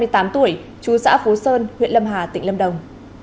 hai mươi tám tuổi chú xã phú sơn huyện lâm hà tỉnh lâm đồng